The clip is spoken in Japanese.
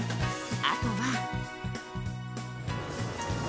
あとは。